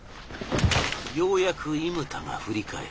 ようやく伊牟田が振り返る。